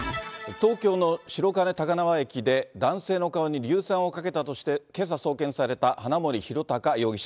東京の白金高輪駅で、男性の顔に硫酸をかけたとして、けさ送検された花森弘卓容疑者。